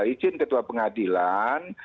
izin ketua pengadilan